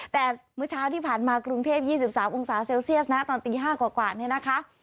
แต่เมื่อเช้าที่ผ่านมากรุงเทพ๒๓องศาเซลเซียสนะตอนตี๕กว่าเนี่ยนะคะ